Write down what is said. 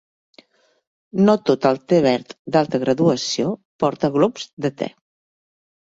No tot el te verd d'alta graduació porta glops de te.